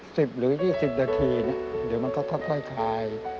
สิบหรือเอ็กซ์สิบนาทีเดี๋ยวมันก็ค่อยคลัย